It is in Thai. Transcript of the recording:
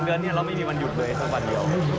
เดือนนี้เราไม่มีวันหยุดเลยสักวันเดียว